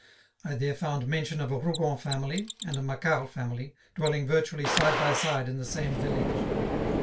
I there found mention of a Rougon family and a Macquart family dwelling virtually side by side in the same village.